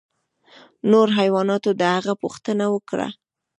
نورو حیواناتو د هغه پوښتنه وکړه.